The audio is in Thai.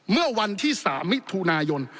เมื่อวันที่๓มิถุนายน